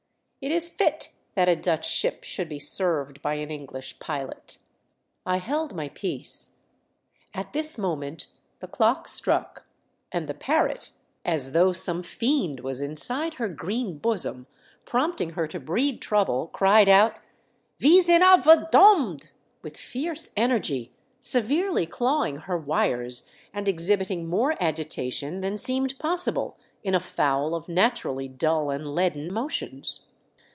It is fit that a Dutch ship should be served by an English pilot 1" I held my peace. At this moment the clock struck, and the parrot, as though some fiend was inside her green bosom prompting her to breed trouble, cried out "TKIIb 3^11 al DciOomD!" with fierce energy, severely claw ing her wires, and exhibiting more agitation than seemed possible in a fowl of naturally dull and leaden motions.